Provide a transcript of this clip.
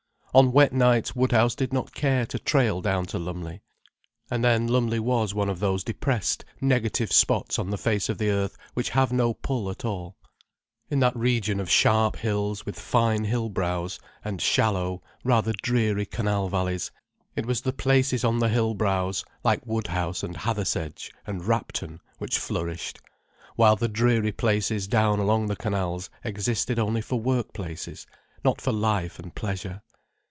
On wet nights Woodhouse did not care to trail down to Lumley. And then Lumley was one of those depressed, negative spots on the face of the earth which have no pull at all. In that region of sharp hills with fine hill brows, and shallow, rather dreary canal valleys, it was the places on the hill brows, like Woodhouse and Hathersedge and Rapton which flourished, while the dreary places down along the canals existed only for work places, not for life and pleasure.